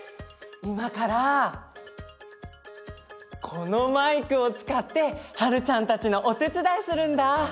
いまからこのマイクをつかってはるちゃんたちのおてつだいするんだ。